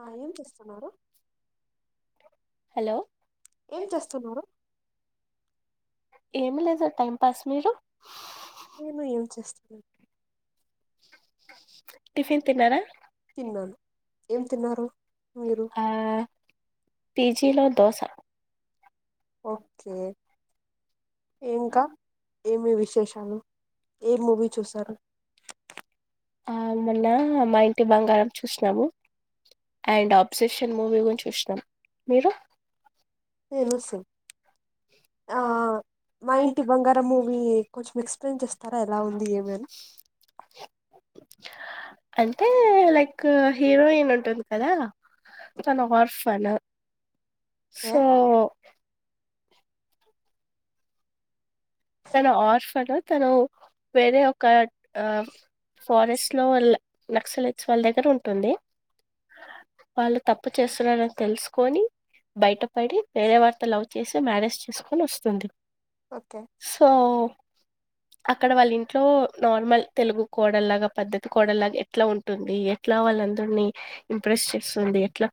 ఆ ఏం చేస్తున్నారు హలో ఏమి లేదు టైమ్ పాస్ మీరు నేను ఏం చేస్తలేను టిఫిన్ తిన్నారా ఆ పీజీ లో దోస ఓకే ఇంకా ఏమి విశేషాలు ఏ మూవీ చూశారు ఆ మొన్న మా ఇంటి బంగారం చూసినాము అండ్ ఆబ్సెషన్ మూవీ కూడ చూసినాం మీరు నేను సేమ్ ఆ మా ఇంటి బంగారం మూవీ కొంచెం ఎక్స్ప్లెయిన్ చేస్తారా ఎలా ఉంది ఏమి అని అంటే లైక్ హీరోయిన్ ఉంటుంది కదా తను ఆర్ఫను సో తను ఆర్ఫన్ తను వేరే ఒక ఆ ఫారెస్ట్ లో వాళ్ల నక్సలెట్స్ వాళ్ల దగ్గర ఉంటుంది వాళ్లు తప్పు చేస్తున్నారని తెలుసుకొని బయట పడి వేరే వారితో లవ్ చేసి మ్యారేజ్ చేసుకొని వస్తుంది ఓకే సో అక్కడ వాళ్ల ఇంట్లో నార్మల్ తెలుగు కోడల్లాగా పద్ధతి కోడల్ లాగా ఎట్లా ఉంటుంది ఎట్లా వాళ్ళందరినీ ఇంప్రెస్ చేస్తుంది ఎట్లా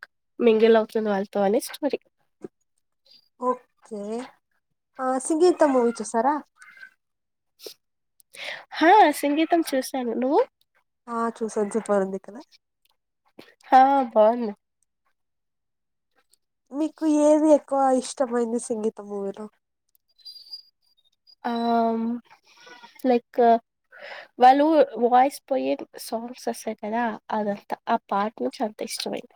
మింగిల్ అవుతుంది వాళ్ళతో అనేసి స్టోరీ ఓకే ఆ సింగీతం మూవీ చూసారా హ సింగీతం చూసాను నువ్వు బారున్ది కదా హా బావుంది మీకు ఏది ఎక్కువ ఇష్టమైంది సింగీతం మూవీలో లైక్ వాళ్లు వాయిస్ పోయి సౌండ్స్ వస్తాయి కదా అదంతా ఆ పార్ట్ నుంచి అంత ఇష్టమైంది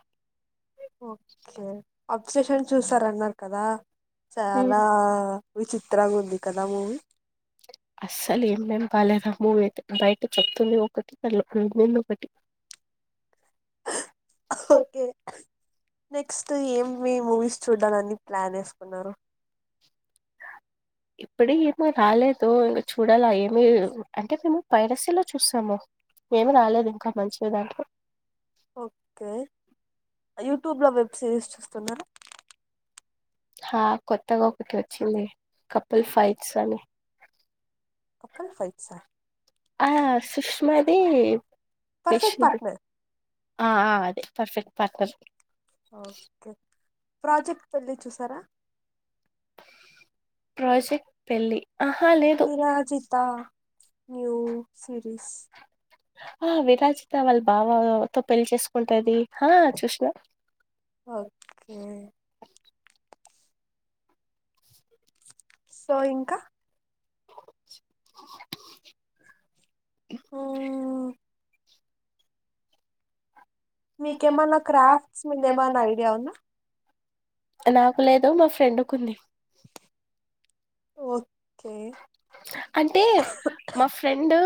ఓకే అబ్జెషన్ చూసరన్నారు కదా చాలా విచిత్రంగా ఉంది కదా మూవీ బాలేదు ఆ మూవీ అయితే బయటకి చెప్తుంది ఒకటి దాంట్లో ఉనింది ఒకటి ఓకే నెక్స్ట్ ఏమ్మి మూవీస్ చూడాలన్ని ప్లాన్ ఏసుకున్నారు ప్పుడు ఏమో రాలేదు ఇంగ చూడాలా ఏమి అంటే మేము పైరసి లో చూస్తాము ఏమీ రాలేదు ఇంకా మంచివి దాంట్లో ఓకే యూట్యూబ్లో వెబ్ సిరీస్ చూస్తున్నారా హా కొత్తగా ఒకటి వచ్చింది కపుల్ ఫైట్స్ అని కపుల్ ఫైట్స్ ఆ ఆ సుష్మ ది యష్ ది ఆ ఆ అదే పర్ఫెక్ట్ పార్ట్నర్ ఓకే ప్రాజెక్ట్ పెళ్లి చూసారా విరాజిత న్యూ సిరీస్ ఆ విరాజిత వాళ్ల బావతో పెళ్లి చేసుకుంటది హా చూషినా ఓక్కే సో ఇంకా మీకేమన్నా క్రాఫ్ట్స్ మీద ఏమన్నా ఐడియా ఉందా నాకు లేదు మా ఫ్రెండ్ కు ఉంది ఓకే అంటే మా ఫ్రెండు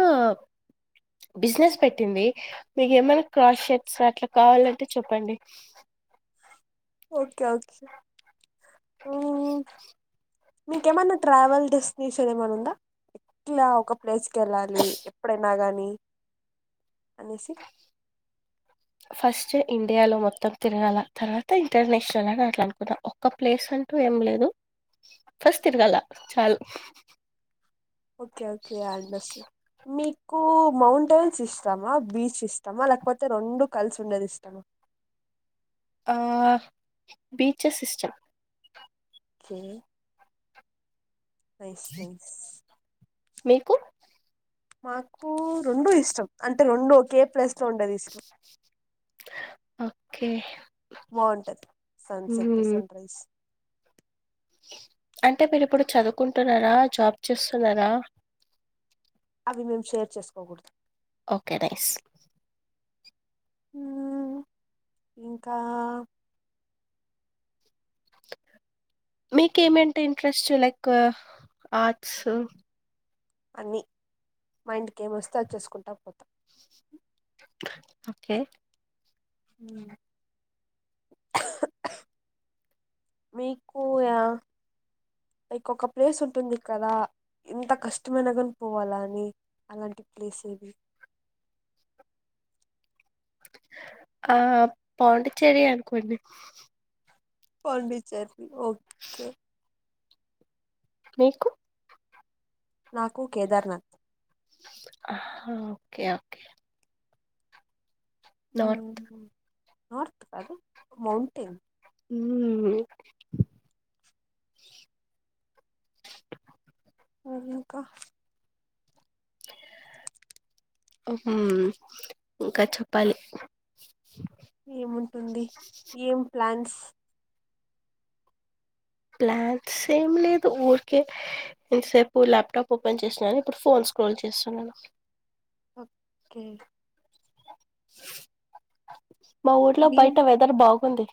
బిసినెస్ పెట్టింది మీకు ఏమైనా కాష్ షర్ట్స్ అట్లా కావాలంటే చెప్పండి ఓకే ఓకే అ మీకేమన్నా ట్రావెల్ డెస్టినేషన్ ఏమన్నా ఉందా ఇట్లా ఒక ప్లేస్ కెళ్ళాలి ఎప్పుడైనా గానీ అనేసి ఫస్ట్ ఇండియా లో మొత్తం తిరగాల తర్వాత ఇంటర్నేషనల్ అని అట్లా అనుకున్నా క్క ప్లేస్ అంటూ ఏం లేదు ఫస్ట్ తిరగాల చాలు ఓకే ఓకే ఐ అండస్టు మీకు మౌంటైన్స్ ఇష్టమా బీ చ్ ఇష్టమా లేకపోతే రెండూ కలిసి ఉండేది ఇష్టమా ఆ బీచెస్ ఇష్టం కే నైస్ నైస్ మాకు రెండూ ఇష్టం అంటే రెండూ ఒకే ప్లేస్ లో ఉండేది ఇష్టం ఓకే బావుంటది సన్సెట్ సన్ రైస్ అంటే మీరు ఇప్పుడు చదువుకుంటున్నారా జాబ్ చేస్తున్నారా అవి మేము షేర్ చేసుకోగూడదు ఊ ఇంకా మీకు ఏమంటే ఇంట్రెస్ట్ లైక్ ఆర్ట్స్ అన్నీ మైండ్ కి ఏం వస్తే అది చేసుకుంటా పో ఓకే ఊ మీకు యా ఒక ప్లేస్ ఉంటుంది కదా ఎంత కష్టమైన కాని పోవాల అని అలాంటి ప్లేస్ ఇవి ఆ పోండచ్చేరి అనుకోడీ పాండిచ్చేరి ఓకే మీకు పాండిచ్చేర ఆ ఓకే ఓకే ఉ హు నార్త్ కాదు అది మౌంటేన్ ఉ హు ఆ ఇంకా ఉ హు ఇంకా చెప్పాలి ఏముంటుంది ఏం ప్లాన్స్ ప్లాన్ సేమ్ లేదు ఊరికే ఇసేపు ల్యాప్టాప్ ఓపెన్ చేసినని ఇప్పుడు ఫోన్స్ చుస్తున్నా ఓకే మా ఊర్లో బయట వెదర్ బాగుంది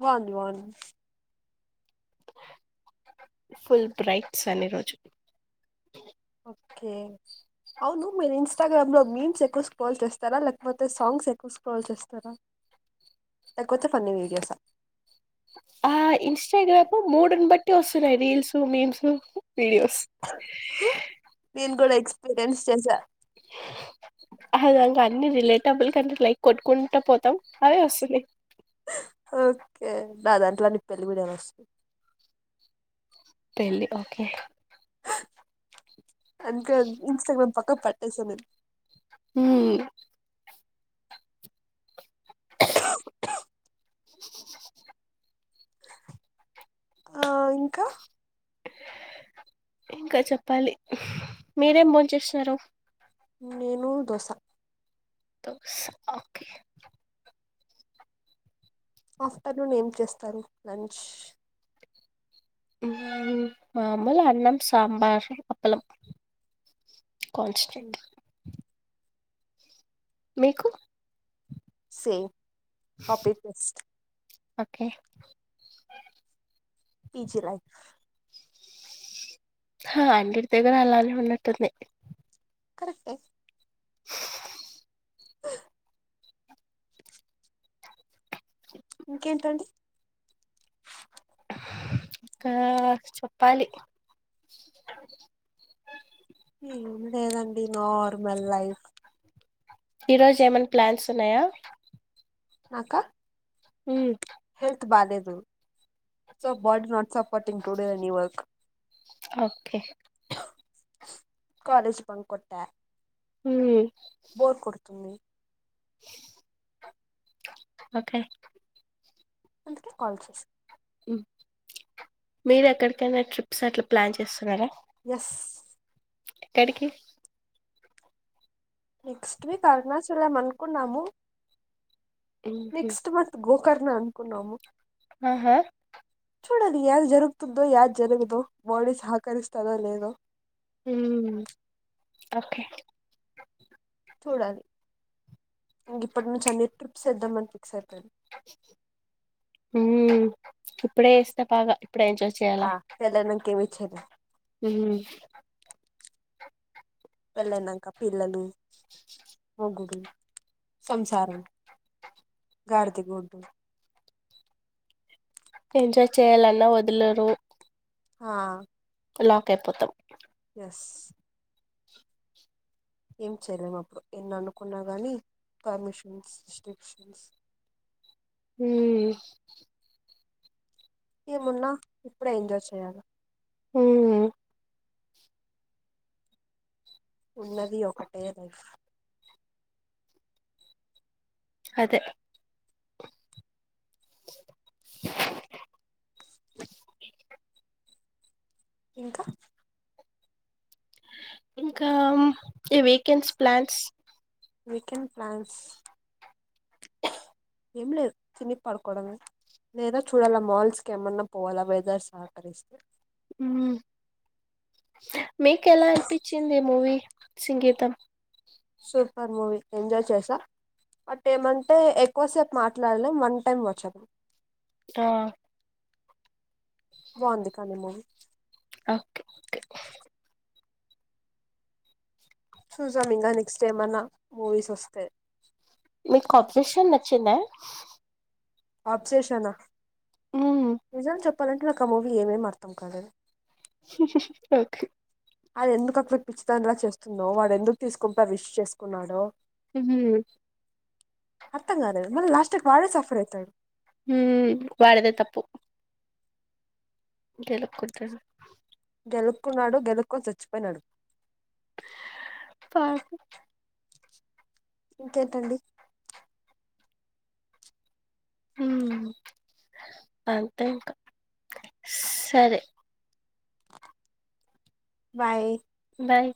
బాగుంది బాగుంది ఫుల్ బ్రైట్ సన్ ఈ రోజు okay how many rings Instagram లో మీమ్స్ ఎక్కువ స్క్రోల్ చేస్తారా లేకపోతే సాంగ్స్ ఎక్కువ స్క్రోల్ చేస్తారా లేకపోతే ఫన్నీ వీడియోస్ [inaudible] ఆ ఇన్స్టాగ్రామ్ మూడుని బట్టి వస్తున్నాయి రీల్స్ మీమ్స్ వీడియోస్ నేను కూడా ఇంస్టాగ్రామ్ చూస్తా అదం అన్ని రిలేటబుల్ కంటే లైక్ కొట్టుకుంటా పోతాం అవి వస్తుంది ఓకే నా దాంట్లో అని పెళ్ళి వీడియోలే వస్తాయి పెళ్లి ఓకే అంతే ఇన్స్టాగ్రామ్ పక్క పట్టేశారు మీరు దగ్గు ఆ ఇంకా ఇంకా చెప్పాలి మీరేం బోచేసినారు నేను దోశ ఓకే ఆఫ్టర్నూన్ ఏం చేస్తారు లంచ్ మామూలు అన్నం సాబారం అప్పడం కొల్స్ట్రక్ట్ మీకు same coffee waste okay PG like ఆ అన్నింటి దగ్గర అలానే ఉన్నట్టుంది కరెక్టే ఉ ఆ ఇంకేంటండి హారన్ సౌండ్ లేదండి నార్మల్ లైఫ్ ఈ రోజు ఏమైనా ప్లాన్స్ ఉన్నాయా నాకా హెల్త్ బాలేదు so but not support include any work okay college bunk కొట్టా ఉమ్ బోర్ కొడుతుంది [inaudible] ఓకే అందుకే కాల్ చేసి మీరు ఎక్కడికైనా ట్రిప్స్ అట్లా ప్లాన్ చేస్తున్నారా ఎక్కడికి నెక్స్ట్ వీక్ అరుణాచలాం అనుకున్నాము నెక్స్ట్ మన్త్ గోకర్ణ అనుకున్నాము చూడాల ఎది జరుగుతుందో యాద్ జరుగదో బాడీ సహకరిస్తాదో లేదో ఉమ్ ఒకే చూడాలి ఇప్పటి నుంచి అన్ని ట్రిప్స్ చేద్దామని ఫిక్స్ అయిపోయారు ఉమ్ ఇప్పుడే ఇస్త పాగా ఇప్పుడే ఎంజాయ్ చెయాల పెళ్ళైనంక పిల్లలు మోగుడు సంసారం గార్ది గుడ్ ఎంజాయ్ చేయాలన్నా వదలరు ఆ లాక్ అయిపోతావ్ ఏం చేయలేము అప్పుడు ఎన్ని అనుకున్నా గానీ పర్మిషన్స్ రిస్ట్రిక్షన్స్ ఊమ్ ఏమున్నా ఇప్పుడే ఎంజాయ్ చేయాలి ఉమ్ ఉన్నది ఒకటే లైఫ్ అదే [inaudible] ఇంకా ఇంకా ఈ వీకెండ్ ప్లాన్స్ ఏంలేదు తిని పడుకోవడమే లేద చూడాలా మాల్స్కి ఏమన్నా పోవాలా వెదర్ సహకరిస్తే ఉమ్ మీకు ఎలా అనిపించింది ఈ మూవీ సింగీతం ఎంజాయ్ చేసా అంటే ఏమంటే ఎక్కువసేపు మాట్లాడలేం వన్ టైం వచ్చది ఆ ఓకే ఓకే చూసాం ఇంకా నెక్స్ట్ ఏమన్నా మూవీస్ వస్తే మీకు ఆబ్జేషన్ నచ్చింద అబ్సెషన్ ఉమ్ అది ఎందుకక్క పిచ్చిదనిలా చేస్తూ వాడు ఎందుకు తీసుకునిపోయి విష్ చేసుకున్నాడో ఇవి హ వాడిదే తప్పు గేలుకుంటాడు గెలుక్కున్నాడు గెలుక్కని చచ్చిపోయినాడు పాపు ఇంకేంటండి హ అంతే ఇంకా సరే [inaudible] బాయ్